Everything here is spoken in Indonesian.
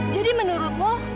jadi menurut lo